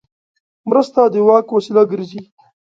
مرسته د واک وسیله ګرځي.